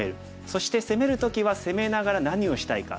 そして攻める時は攻めながら何をしたいか。